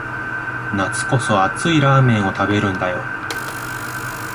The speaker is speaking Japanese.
夏こそ熱いラーメンを食べるんだよ